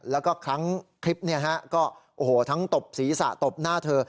แล้วก็ครั้งคลิปก็โอ้โหทั้งตบศีรษะตบหน้าเธอ